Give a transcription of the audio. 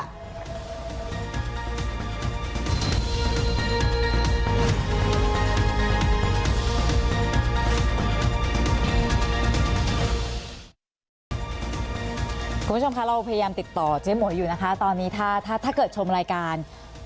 คุณผู้ชมคะเราพยายามติดต่อเจ๊หมวยอยู่นะคะตอนนี้ถ้าเกิดชมรายการ